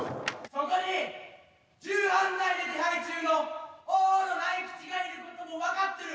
・そこに重犯罪で手配中の大野苗吉がいることも分かっている！